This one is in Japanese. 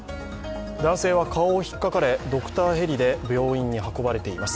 男性は顔を引っかかれ、ドクターヘリで病院に運ばれています。